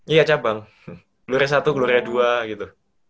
iya cabang gelurnya satu gelurnya dua gitu